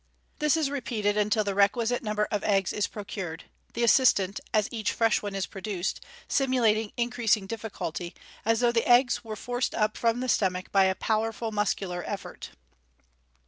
This is repeated until the requisite number of eggs is pro cure , the assistant, as each fresh one is produced, simulating increas ing difficulty, as though the eggs were forced up from the stomach by a powerful muscular effort.